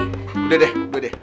udah deh udah deh